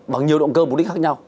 bằng nhiều động cơ mục đích khác nhau